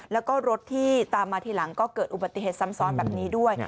แล้วก็รถที่ตามมาทีหลังก็เกิดอุบัติเหตุซ้ำซ้อนแบบนี้ด้วย